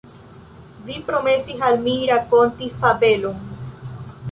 Vi promesis al mi rakonti fabelon.